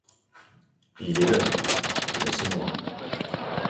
Il est l'heure, laisse-moi.